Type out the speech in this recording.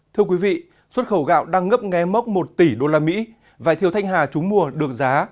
thưa quý vị xuất khẩu gạo đang ngấp nghé mốc một tỷ usd vải thiều thanh hà trúng mùa được giá